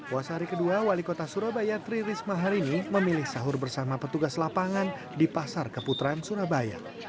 wasari kedua wali kota surabaya tri risma hari ini memilih sahur bersama petugas lapangan di pasar keputaran surabaya